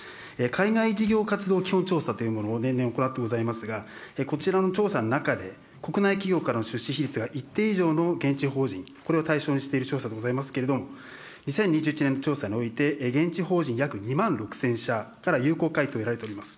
海外事業活動基本調査というものを年々行っておりますが、こちらの調査の中で、国内企業からの出資比率が一定以上の現地法人、これを対象にしている調査でございますけれども、２０２１年の調査において、現地法人約２万６０００社から有効回答を得られております。